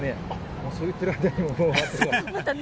もうそう言ってる間にも汗が。